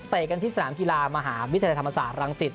กันที่สนามกีฬามหาวิทยาลัยธรรมศาสตรังสิต